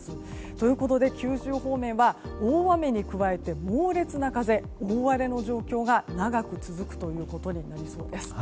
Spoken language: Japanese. ということで九州方面は大雨に加えて猛烈な風、大荒れの状況が長く続くということになりそうです。